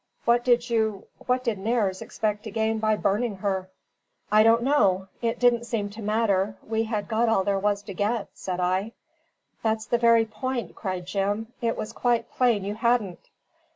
What did you what did Nares expect to gain by burning her?" "I don't know; it didn't seem to matter; we had got all there was to get," said I. "That's the very point," cried Jim. "It was quite plain you hadn't."